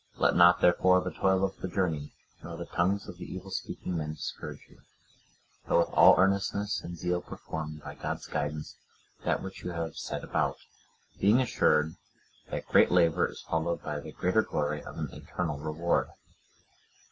Let not, therefore, the toil of the journey, nor the tongues of evil speaking men, discourage you; but with all earnestness and zeal perform, by God's guidance, that which you have set about; being assured, that great labour is followed by the greater glory of an eternal reward.